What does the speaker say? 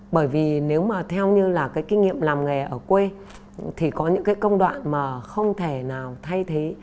bởi vì nếu mà theo như là cái kinh nghiệm làm nghề ở quê thì có những cái công đoạn mà không thể nào thay thế